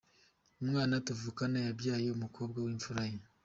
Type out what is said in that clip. Umwana tuvukana yabyaye umukobwa wimfura ye.